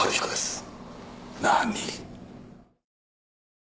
何？